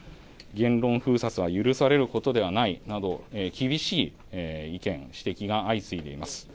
言論封殺は許されることではないなど厳しい意見、指摘が相次いでいます。